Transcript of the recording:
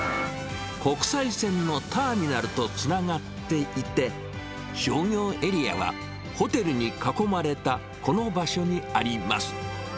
国際線のターミナルとつながっていて、商業エリアは、ホテルに囲まれたこの場所にあります。